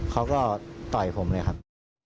เขาก็ต่อยผมเลยครับ